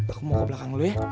aku mau ke belakang lu ya